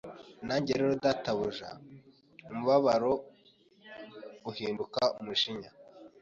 Nanjye rero Databuja umubabaro uhinduka umujinya